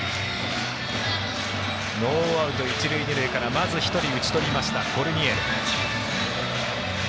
ノーアウト、一塁二塁からまず１人、打ち取りましたコルニエル。